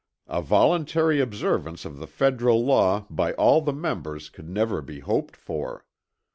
A voluntary observance of the federal law by all the members could never be hoped for.